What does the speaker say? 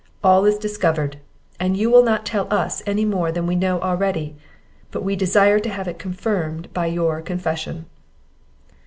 All is discovered, and you will not tell us any more than we know already; but we desire to have it confirmed by your confession."